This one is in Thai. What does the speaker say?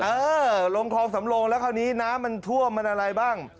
เออลงคลองสำโลงแล้วคราวนี้น้ำมันท่วมมันอะไรบ้าง